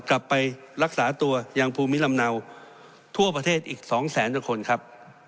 กลับไปรักษาตัวอย่างภูมิลำเนาทั่วประเทศอีก๒แสนกว่าคนครับ